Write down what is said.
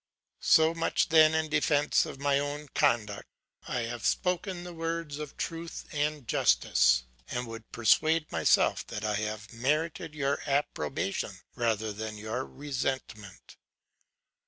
'So much then in defence of my own conduct; I have spoken the words of truth and justice, and would persuade myself that I have merited your approbation rather than your resentment.